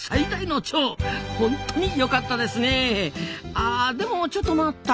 あでもちょっと待った！